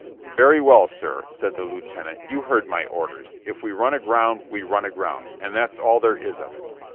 "Very well, sir," said the lieutenant, "you heard my orders. If we run aground we run aground, and that's all there is of it."